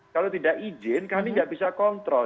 kalau tidak izin kami tidak bisa kontrol